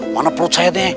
mana pelut saya tuh